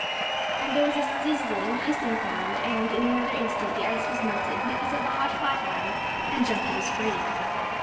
And there was a sizzling, hissing sound, and in another instant the ice was melted because of the hot flatiron, and Jumpo was free.